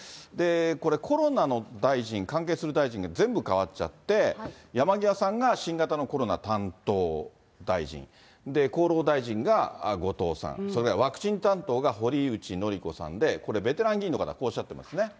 これ、コロナの大臣、関係する大臣が全部代わっちゃって、山際さんが新型のコロナ担当大臣、厚労大臣が後藤さん、それからワクチン担当が堀内詔子さんで、これ、ベテラン議員の方、こうおっしゃってますね。